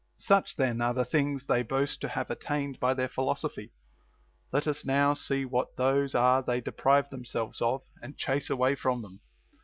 9. Such then are the things they boast to have at tained by their philosophy. Let us now see what those are they deprive themselves of and chase away from them.